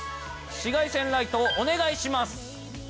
紫外線ライトをお願いします。